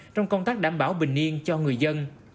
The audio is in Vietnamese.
trong công tác đảm bảo bình yên cho người dân